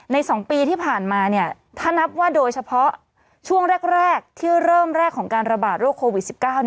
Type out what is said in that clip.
๒ปีที่ผ่านมาถ้านับว่าโดยเฉพาะช่วงแรกที่เริ่มแรกของการระบาดโรคโควิด๑๙